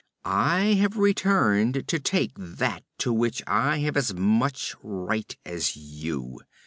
I have returned to take that to which I have as much right as you.